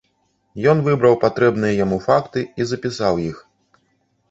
Ён выбраў патрэбныя яму факты і запісаў іх.